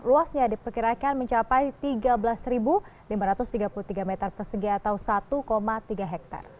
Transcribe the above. luasnya diperkirakan mencapai tiga belas lima ratus tiga puluh tiga meter persegi atau satu tiga hektare